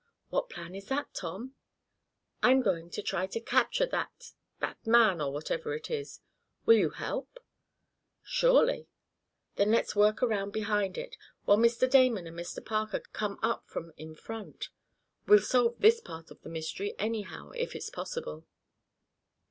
"What plan is that, Tom?" "I'm going to try to capture that that man or whatever it is. Will you help?" "Surely!" "Then let's work around behind it, while Mr. Damon and Mr. Parker come up from in front. We'll solve this part of the mystery, anyhow, if it's possible!"